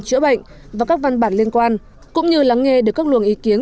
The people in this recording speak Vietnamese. chữa bệnh và các văn bản liên quan cũng như lắng nghe được các luồng ý kiến